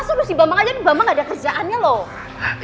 masa lu si bambang aja nih bambang gak ada kerjaannya loh